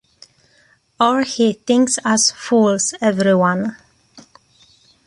Or he thinks us fools, every one.